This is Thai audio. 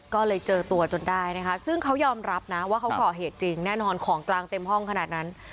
ก็เลยเจอตัวจนได้นะคะซึ่งเขายอมรับนะว่าเขาก่อเหตุจริงแน่นอนของกลางเต็มห้องขนาดนั้น